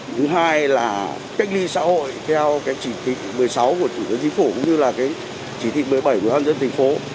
thứ hai là cách ly xã hội theo chỉ thị một mươi sáu của thủ đoàn dân thành phố cũng như là chỉ thị một mươi bảy của thủ đoàn dân thành phố